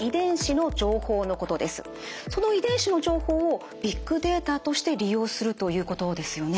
その遺伝子の情報をビッグデータとして利用するということですよね？